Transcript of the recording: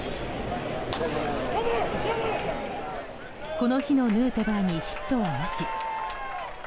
この日のヌートバーにヒットはなし。